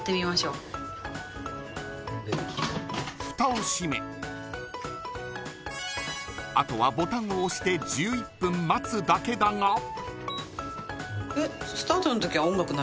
ふたを閉めあとはボタンを押して１１分待つだけだが。